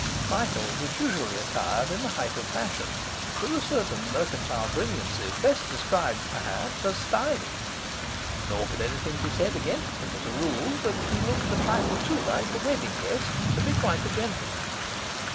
Michael was usually attired in the height of fashion, with a certain mercantile brilliancy best described perhaps as stylish; nor could anything be said against him, as a rule, but that he looked a trifle too like a wedding guest to be quite a gentleman.